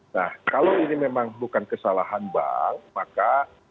nah kalau ini memang bukan kesalahan bank maka